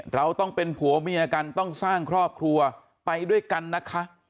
เราต้องเป็นผัวเมียกันต้องสร้างครอบครัวไปด้วยกันนะคะ